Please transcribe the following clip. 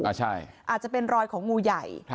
อาจจะเป็นรอยของงูใหญ่